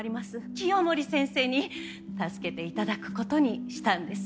清守先生に助けて頂く事にしたんです。